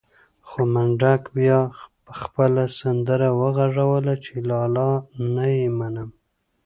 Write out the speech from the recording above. خو منډک بيا خپله سندره وغږوله چې لالا نه يې منم.